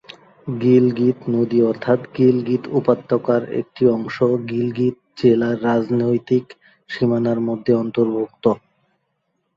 গিলগিত নদী অর্থাৎ গিলগিত উপত্যকার শুধুমাত্র একটি অংশ গিলগিত জেলার রাজনৈতিক সীমানার মধ্যে অন্তর্ভুক্ত।